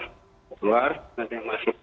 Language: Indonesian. keluar kemudian masuk